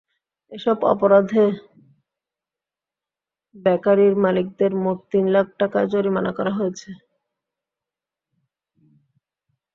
এসব অপরাধে বেকারির মালিকদের মোট তিন লাখ টাকা জরিমানা করা হয়েছে।